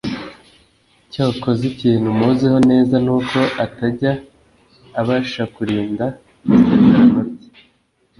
cyokoza ikintu muziho neza nuko atajya abashkurinda isezerano rye